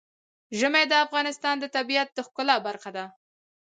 ژمی د افغانستان د طبیعت د ښکلا برخه ده.